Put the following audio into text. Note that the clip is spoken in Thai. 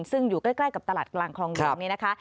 ซึ่งอยู่ใกล้กับตลาดกลางคลองหลวงนี่นะคะ